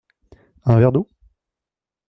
Un verre d’eau ?